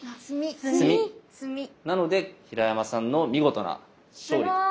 なので平山さんの見事な勝利と。